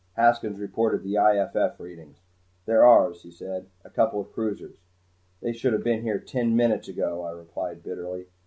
Haskins reported the I.F.F. readings. "They're ours," he said. "A couple of cruisers." "They should have been here ten minutes ago," I replied bitterly.